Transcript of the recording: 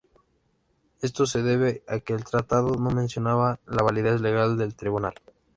Esto se debe a que el tratado no menciona la validez legal del tribunal.